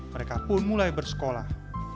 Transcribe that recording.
mereka pun mulai bersekolah